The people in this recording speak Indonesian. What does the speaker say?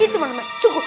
itu mana suku